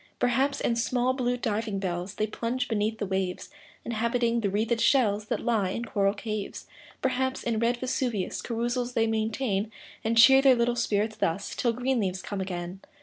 Perhaps, in small, blue diving bells They plunge beneath the waves, Inhabiting the wreathed shells That lie in coral caves. Perhaps, in red Vesuvius Carousals they maintain ; And cheer their little spirits thus, Till green leaves come again.